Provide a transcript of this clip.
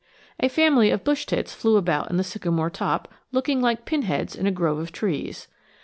A family of bush tits flew about in the sycamore top, looking like pin heads in a grove of trees.